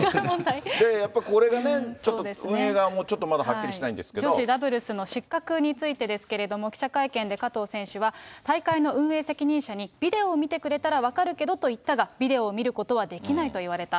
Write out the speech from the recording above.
やっぱりこれがね、ちょっと運営側もまだちょっとはっきりし女子ダブルスの失格についてですけれども、記者会見で加藤選手は、大会の運営責任者に、ビデオを見てくれたら分かるけどと言ったが、ビデオを見ることはできないと言われた。